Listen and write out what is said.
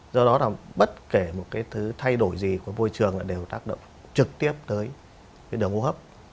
do đó bất kể thay đổi gì của môi trường đều tác động trực tiếp tới đường hô hấp